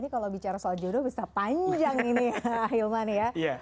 ini kalau bicara soal jodoh bisa panjang ini hilman ya